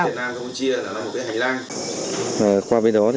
công việc ở miền nam không chia là một cái hành lang